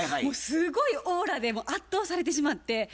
もうすごいオーラで圧倒されてしまって。